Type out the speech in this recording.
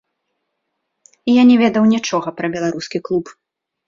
Я не ведаў нічога пра беларускі клуб.